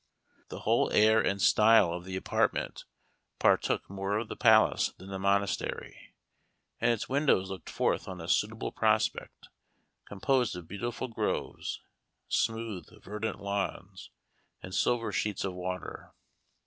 The whole air and style of the apartment partook more of the palace than the monastery, and its windows looked forth on a suitable prospect, composed of beautiful groves, smooth verdant lawns, and silver sheets of water.